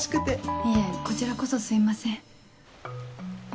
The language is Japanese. いえこちらこそすいません。